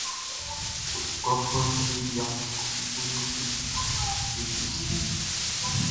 Klɔfuɛʼm be yia be bo yo kun be di fie.